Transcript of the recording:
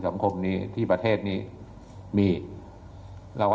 ท่านพรุ่งนี้ไม่แน่ครับ